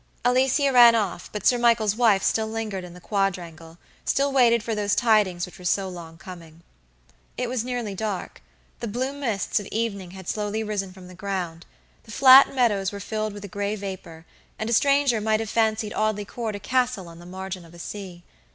Alicia ran off, but Sir Michael's wife still lingered in the quadrangle, still waited for those tidings which were so long coming. It was nearly dark. The blue mists of evening had slowly risen from the ground. The flat meadows were filled with a gray vapor, and a stranger might have fancied Audley Court a castle on the margin of a sea.